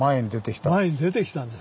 前に出てきたんです